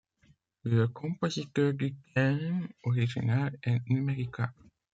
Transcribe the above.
Le compositeur du thème original est Numeriklab.